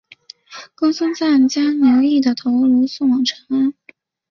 公孙瓒将刘虞的头颅送往长安。